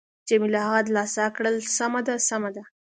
جميله هغه دلاسا کړل: سمه ده، سمه ده.